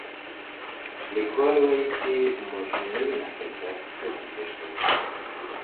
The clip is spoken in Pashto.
لیکوال وايي چي موږ نوي نسل ته پوهه لېږدوو.